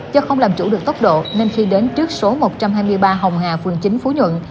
do không làm chủ được tốc độ nên khi đến trước số một trăm hai mươi ba hồng hà phường chín phú nhuận